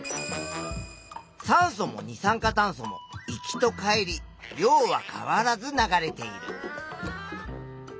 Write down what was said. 酸素も二酸化炭素も行きと帰り量は変わらず流れている。